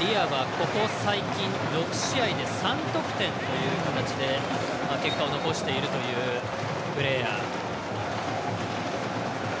ディアはここ最近６試合で３得点という形で結果を残しているというプレーヤー。